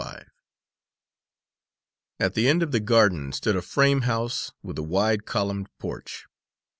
Five At the end of the garden stood a frame house with a wide, columned porch.